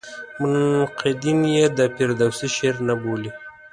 منقدین یې د فردوسي شعر نه بولي.